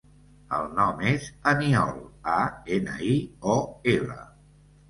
El nom és Aniol: a, ena, i, o, ela.